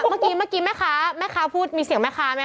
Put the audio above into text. เมื่อกี้เมื่อกี้แม่ค้าแม่ค้าพูดมีเสียงแม่ค้าไหมค